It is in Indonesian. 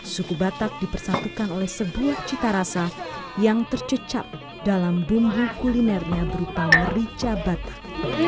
suku batak dipersatukan oleh sebuah cita rasa yang tercecap dalam bumbu kulinernya berupa merica batak